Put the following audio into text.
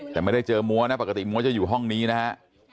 แต่ไม่ได้เจอมัวนะปกติมัวจะอยู่ห้องนี้นะฮะ